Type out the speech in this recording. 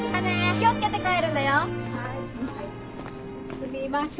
すみません。